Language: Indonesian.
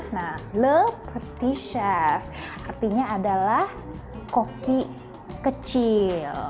nah le petit chef artinya adalah koki kecil